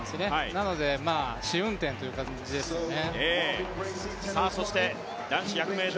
なので試運転という感じですよね。